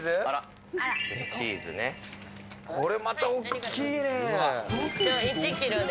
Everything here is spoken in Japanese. これまた大きいね。